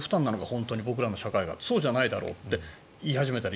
本当に僕らの社会はって。そうじゃないだろうって言い始めたり。